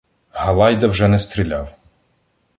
Галайда вже не стріляв.